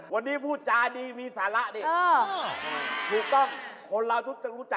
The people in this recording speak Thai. วันนี้ดูจ้ายอะไรพี่มีศาละดิ